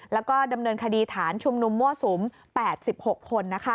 แล้วก็ดำเนินคดีฐานชุมนุมมั่วสุม๘๖คน